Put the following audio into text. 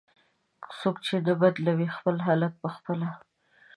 "څوک چې نه بدلوي خپل حالت په خپله".